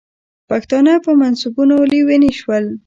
پښتانه په منصبونو لیوني شول.